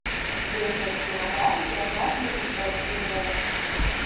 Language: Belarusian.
Дзве з гэтых манаграфій перакладзены на кітайскую мову.